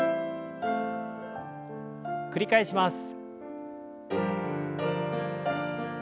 繰り返します。